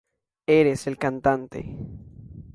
Eres el cantante.